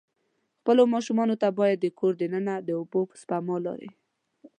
خپلو ماشومان ته باید په کور د ننه د اوبه سپما لارې.